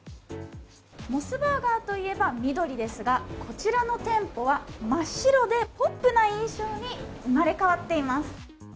モスバーガーといえば緑ですがこちらの店舗は真っ白でポップな印象に生まれ変わっています。